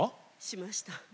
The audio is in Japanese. しました。